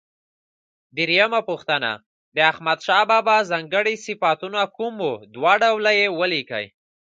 درېمه پوښتنه: د احمدشاه بابا ځانګړي صفتونه کوم و؟ دوه ډوله یې ولیکئ.